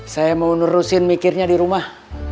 saya mau nerusin mikirnya di rumah